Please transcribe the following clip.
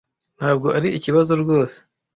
Ntabwo ari ikibazo rwose.